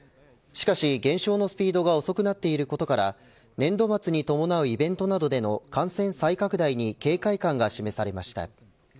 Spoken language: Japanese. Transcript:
しかし減少のスピードが遅くなっていることから年度末に伴うイベントなどでの感染再拡大に警戒感が示されました。